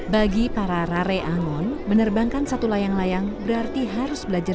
bagi para rare angon menerbangkan satu layang layang berarti harus belajar